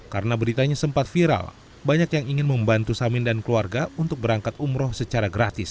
karena beritanya sempat viral banyak yang ingin membantu samin dan keluarga untuk berangkat umroh secara gratis